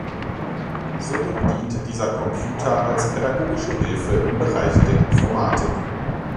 Somit diente dieser „Computer“ als pädagogische Hilfe im Bereich der Informatik.